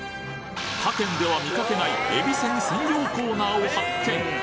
他県では見かけないえびせん専用コーナーを発見！